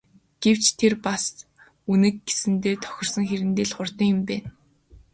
Гэвч тэр бас Үнэг гэсэндээ тохирсон хэрдээ л хурдан юм байна.